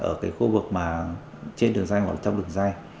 ở cái khu vực mà trên đường dây hoặc là trong đường dây